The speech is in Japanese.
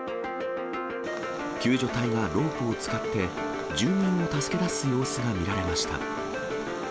救助隊がロープを使って、住民を助け出す様子が見られました。